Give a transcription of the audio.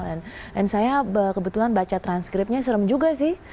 saya kebetulan baca transkripnya serem juga sih